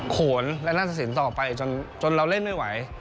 โขนและหน้าตะสินต่อไปจนเราเล่นไม่ไหว